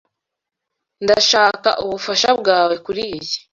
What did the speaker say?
Ndashaka ubufasha bwawe kuriyi.